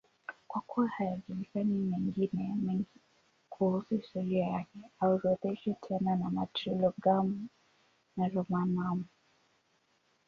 Kwa kuwa hayajulikani mengine mengi kuhusu historia yake, haorodheshwi tena na Martyrologium Romanum.